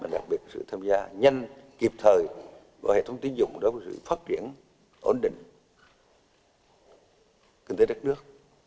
đặc biệt sự tham gia nhanh kịp thời của hệ thống tín dụng đối với sự phát triển ổn định kinh tế đất nước